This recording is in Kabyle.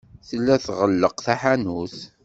Tella tɣelleq taḥanut.